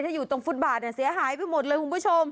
ถ้าอยู่ตรงฟุตบาทเนี่ยเสียหายไปหมดเลยคุณผู้ชม